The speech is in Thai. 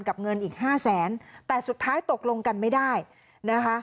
เงินอีกห้าแสนแต่สุดท้ายตกลงกันไม่ได้นะคะ